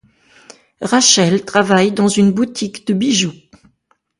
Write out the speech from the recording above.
Rachel travaille dans une boutique de bijoux.